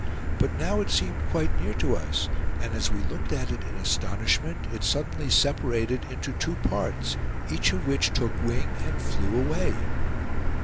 But now it seemed quite near to us; and as we looked at it in astonishment, it suddenly separated into two parts, each of which took wing and flew away.